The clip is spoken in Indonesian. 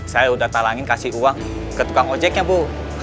saya udah talangin kasih uang ke tukang ojeknya bu